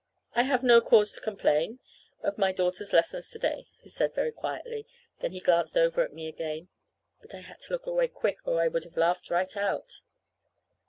"I have no cause to complain of my daughter's lessons to day," he said very quietly. Then he glanced over at me again. But I had to look away quick, or I would have laughed right out.